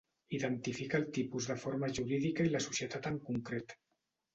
Identifica el tipus de forma jurídica i la societat en concret.